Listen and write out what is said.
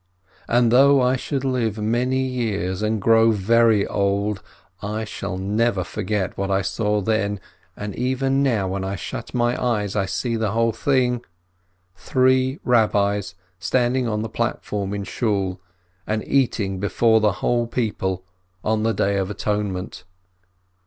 And though I should live many years and grow very old, I shall never forget what I saw then, and even now, when I shut my eyes, I see the whole thing : three Rabbis standing on the platform in Shool, and eating before the whole people, on the Day of Atonement